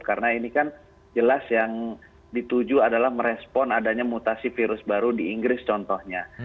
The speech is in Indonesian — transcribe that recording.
karena ini kan jelas yang dituju adalah merespon adanya mutasi virus baru di inggris contohnya